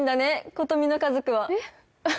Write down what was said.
琴美の家族はえっ？